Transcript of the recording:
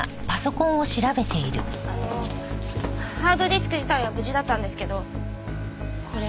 あのハードディスク自体は無事だったんですけどこれ。